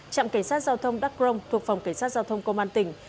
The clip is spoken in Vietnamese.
trạm cảnh sát giao thông đắc crông thuộc phòng cảnh sát giao thông công an tỉnh